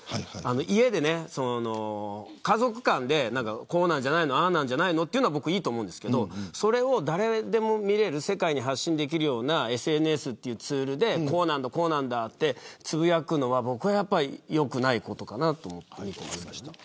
家で家族間でこうなんじゃないのああなんじゃないのというのはいいと思いますがそれを誰でも見れる世界に発信できるＳＮＳというツールでこうなんだとつぶやくのはよくないことかなと思っています。